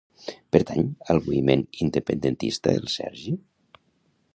Pertany al moviment independentista el Sergi?